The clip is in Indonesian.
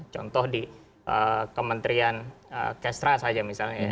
contoh di kementerian kestra saja misalnya ya